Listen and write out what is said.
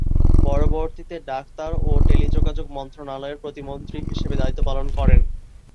পরবর্তীতে ডাক তার ও টেলিযোগাযোগ মন্ত্রনালয়ের প্রতিমন্ত্রী হিসেবে দায়িত্ব পালন করেন।